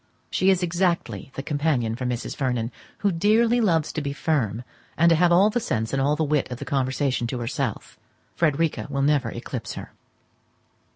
She is exactly the companion for Mrs. Vernon, who dearly loves to be firm, and to have all the sense and all the wit of the conversation to herself: Frederica will never eclipse her.